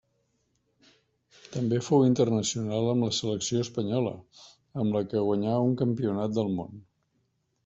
També fou internacional amb la selecció espanyola, amb la que guanyà un campionat del Món.